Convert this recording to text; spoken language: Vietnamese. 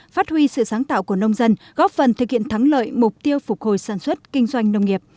phát huy sự sáng tạo của nông dân góp phần thực hiện thắng lợi mục tiêu phục hồi sản xuất kinh doanh nông nghiệp